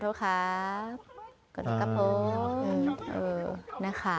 น้ำผึ้นนะคะ